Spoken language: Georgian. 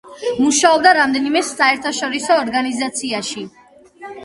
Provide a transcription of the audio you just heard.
მუშაობდა რამდენიმე საერთაშორისო ორგანიზაციაში.